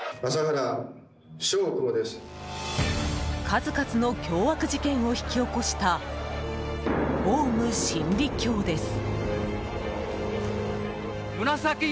数々の凶悪事件を引き起こしたオウム真理教です。